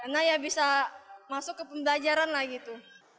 karena ya bisa masuk ke pembelajaran lah gitu